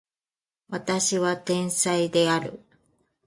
私は天才である